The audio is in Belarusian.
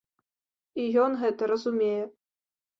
І ён гэта разумее.